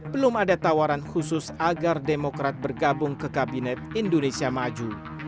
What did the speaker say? belum ada tawaran khusus agar demokrat bergabung ke kabinet indonesia maju